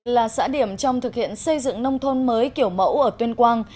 là xã điểm trong thực hiện xây dựng nông thôn mới kiểu mẫu ở tuyên quang